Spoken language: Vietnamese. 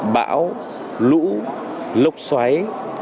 bão lũ lốc xoáy